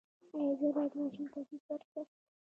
ایا زه باید ماشوم ته جوس ورکړم؟